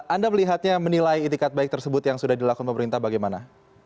anda melihatnya menilai itikat baik tersebut yang sudah dilakukan pemerintah bagaimana